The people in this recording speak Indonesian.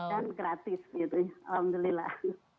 dan gratis gitu ya alhamdulillah